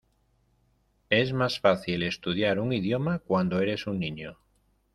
Es más fácil estudiar un idioma cuando eres un niño.